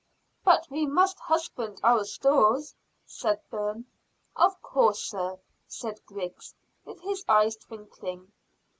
"But we must husband our stores," said Bourne. "Of course, sir," said Griggs, with his eyes twinkling.